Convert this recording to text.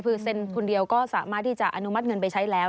คือเซ็นคนเดียวก็สามารถที่จะอนุมัติเงินไปใช้แล้ว